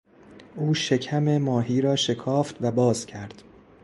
او شکم ماهی را شکافت و باز کرد.